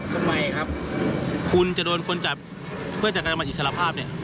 ทำไมครับคุณจะโดนคนจับเพื่อจะกลับมาอิสระภาพเนี่ย